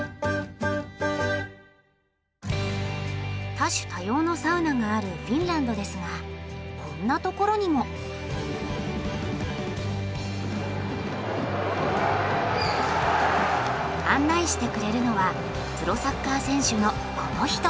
多種多様のサウナがあるフィンランドですがこんな所にも。案内してくれるのはプロサッカー選手のこの人。